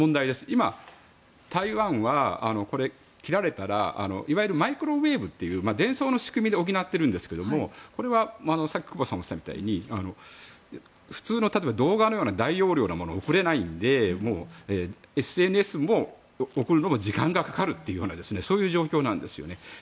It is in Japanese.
今、台湾は、切られたらいわゆるマイクロウェーブという伝送の仕組みで補っているんですがこれはさっき久保田さんがおっしゃっていたみたいに普通の、例えば動画のような大容量のものを送れないのでＳＮＳも、送るのも時間がかかるというそういう状況なんですよね。